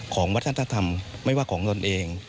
ของวัฒนธรรมไม่ว่าของตนเอง